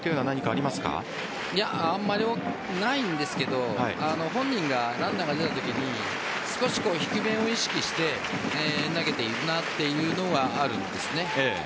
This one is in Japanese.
あまりないんですが本人がランナーが出たときに少し低めを意識して投げているなというのはあるんです。